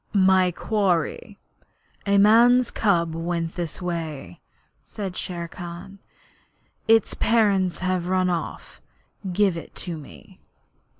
'My quarry. A man's cub went this way,' said Shere Khan. 'Its parents have run off. Give it to me.'